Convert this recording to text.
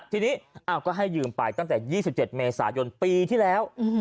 ทีนี้ก็ให้ยืมไปตั้งแต่๒๗เมษายนปีที่แล้ว